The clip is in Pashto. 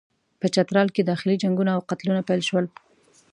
په چترال کې داخلي جنګونه او قتلونه پیل شول.